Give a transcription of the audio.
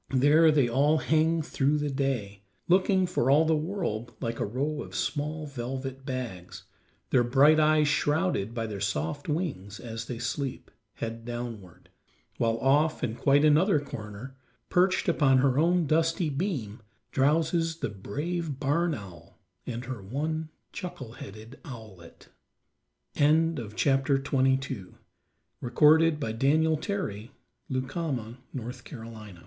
There they all hang through the day, looking for all the world like a row of small velvet bags, their bright eyes shrouded by their soft wings as they sleep, head downward; while off in quite another corner, perched upon her own dusty beam, drowses the brave barn owl and her one chuckle headed owlet. [Illustration: NEMOX, THE CRAFTY ROBBER OF THE MARSHES] XXIII NEMOX, THE CRAFT